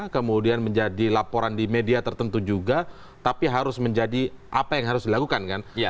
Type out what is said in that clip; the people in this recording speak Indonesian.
kemudian menjadi laporan di media tertentu juga tapi harus menjadi apa yang harus dilakukan kan